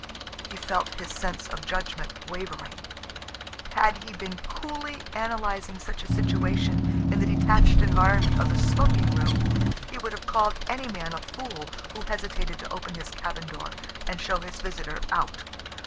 He felt his sense of judgment wavering. Had he been coolly analyzing such a situation in the detached environment of the smoking room, he would have called any man a fool who hesitated to open his cabin door and show his visitor out.